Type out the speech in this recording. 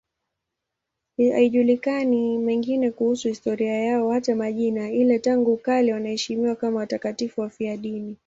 Hayajulikani mengine kuhusu historia yao, hata majina, ila tangu kale wanaheshimiwa kama watakatifu wafiadini.